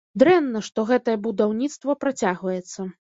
Дрэнна, што гэтае будаўніцтва працягваецца.